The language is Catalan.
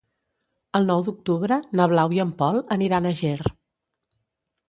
El nou d'octubre na Blau i en Pol aniran a Ger.